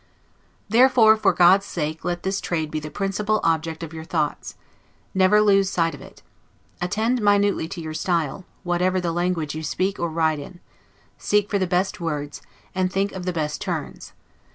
Therefore, for God's sake, let this trade be the principal object of your thoughts; never lose sight of it. Attend minutely to your style, whatever language you speak or write in; seek for the best words, and think of the best turns.